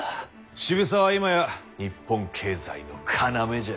渋沢は今や日本経済の要じゃ。